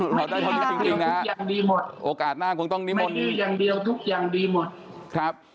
กลับเรียนไปถึงสงสารนะครับ